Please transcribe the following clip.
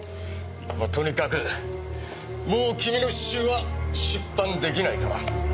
まあとにかくもう君の詩集は出版できないから。